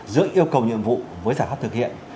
giữa yêu cầu nhiệm vụ với giải pháp thực hiện